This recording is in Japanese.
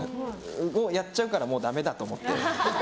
やっちゃうからもうだめだと思って。